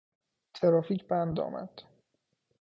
ترافیک بند آمد.